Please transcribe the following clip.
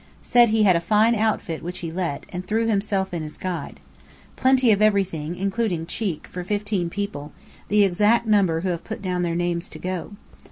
Said he had a fine outfit which he let, and threw himself in as guide. Plenty of everything (including cheek) for fifteen people, the exact number who have put down their names to go.